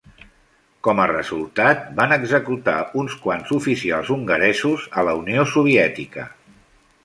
Com a resultat, van executar uns quants oficials hongaresos a la Unió Soviètica.